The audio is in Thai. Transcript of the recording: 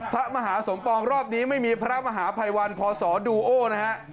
พระมหาสมปองรอบนี้ไม่มีพระมหาภัยวันพศดูโอนะฮะ